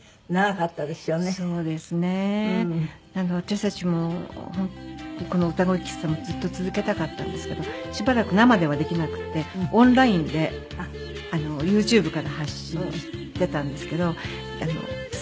私たちもこの歌声喫茶もずっと続けたかったんですけどしばらく生ではできなくてオンラインでユーチューブから発信してたんですけど。